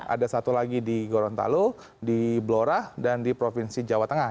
ada satu lagi di gorontalo di blora dan di provinsi jawa tengah